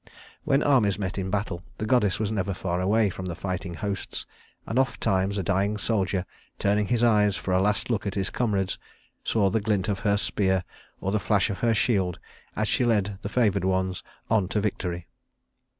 When armies met in battle, the goddess was never far away from the fighting hosts; and ofttimes a dying soldier, turning his eyes for a last look at his comrades, saw the glint of her spear or the flash of her shield as she led the favored ones on to victory.